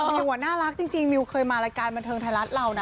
มิวน่ารักจริงมิวเคยมารายการบันเทิงไทยรัฐเรานะ